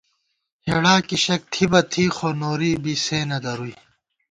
ہېڑا کی شَک تھِی بہ تھی، خو نوری بی سے نہ درُوئی